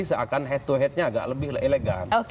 seakan head to headnya agak lebih elegan